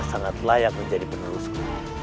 sangat layak menjadi penerusku